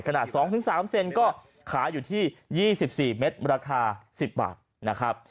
ขนาด๒๓เซนก็ขายอยู่ที่๒๔เมตรราคา๑๐บาทนะครับ